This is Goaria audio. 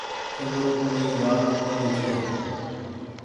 چلو ڪوئي وآت ڪونيٚ ڇي۔